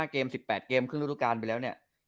๑๕เกม๑๘เกมขึ้นรูปรุกการไปแล้วเนี่ย